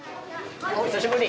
おっ久しぶり！